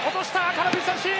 空振り三振！